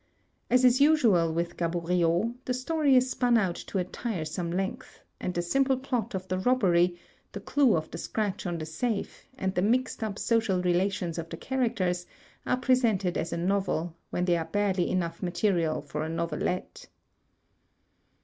As is usual with Gaboriau, the story is spun out to a tiresome length; and the simple plot of the robbery, the clue of the scratch on the safe and the mixed up social relations of the characters are presented as a novel, when they are barely enough material for a novelette.